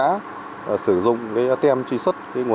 đồng thời chúng tôi cũng tập trung hỗ trợ các doanh nghiệp